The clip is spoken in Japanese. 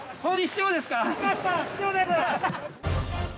そうですね。